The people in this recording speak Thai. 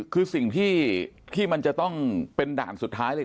คือสิ่งที่มันจะต้องเป็นด่านสุดท้ายเลย